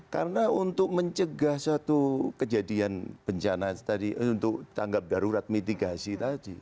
karena untuk mencegah satu kejadian bencana tadi untuk tanggap darurat mitigasi tadi